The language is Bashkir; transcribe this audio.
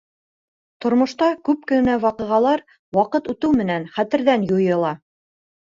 — Тормошта күп кенә ваҡиғалар, ваҡыт үтеү менән, хәтерҙән юйыла.